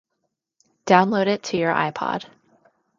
Download it to your iPod.